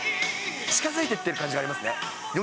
近づいていってる感じがありますね。